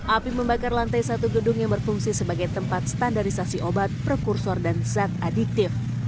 api membakar lantai satu gedung yang berfungsi sebagai tempat standarisasi obat prekursor dan zat adiktif